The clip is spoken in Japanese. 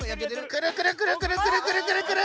クルクルクルクルクルクルクルクル！